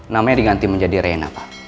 namanya diganti menjadi reina pak